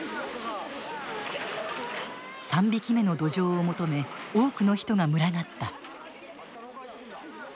三匹目のどじょうを求め多くの人が群がった。